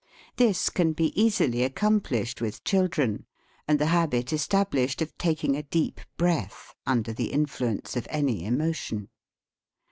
This can be easily accom plished with children, and the habit estab lished of taking a deep breath under the in fluence of any emotion.